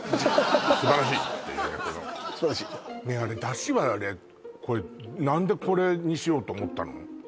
あれダシはこれ何でこれにしようと思ったの？